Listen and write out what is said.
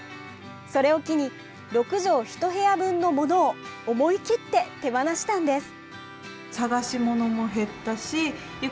それを機に６畳１部屋分の物を思い切って手放したんです。